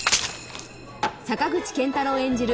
坂口健太郎演じる